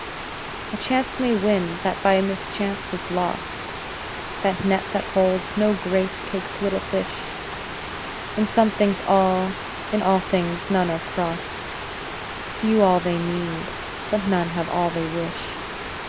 A chance may win that by mischance was lost; That net that holds no great takes little fish; In some things all, in all things none are crost; Few all they need, but none have all they wish.